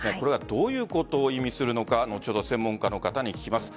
どういうことを意味するのか後ほど専門家の方に聞きます。